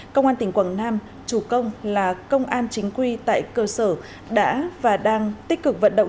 công an tỉnh quảng nam chủ công là công an chính quy tại cơ sở đã và đang tích cực vận động